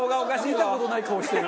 見た事ない顔してる。